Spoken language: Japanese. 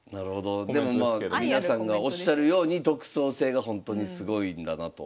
でもまあ皆さんがおっしゃるように独創性がほんとにすごいんだなと。